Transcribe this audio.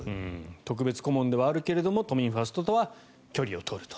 特別顧問ではあるけれども都民ファーストとは距離を取ると。